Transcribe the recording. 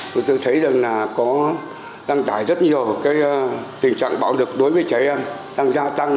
tôi thấy rằng có tăng tải rất nhiều tình trạng bạo lực đối với trẻ em đang gia tăng